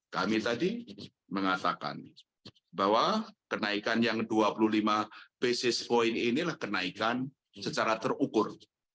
kami tadi mengatakan bahwa kenaikan yang dua puluh lima basis point inilah kenaikan secara terukur